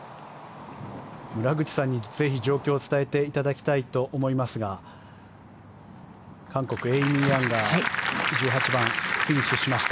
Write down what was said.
村口さんに、ぜひ状況を伝えていただきたいと思いますが韓国、エイミー・ヤンが１８番、フィニッシュしました。